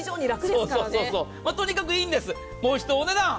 とにかくいいんです。